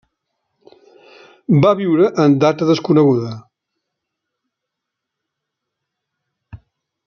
Va viure en data desconeguda.